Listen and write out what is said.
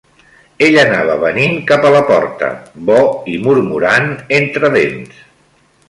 Ell anava venint cap a la porta, bo i murmurant entre dents